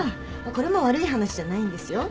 これも悪い話じゃないんですよ。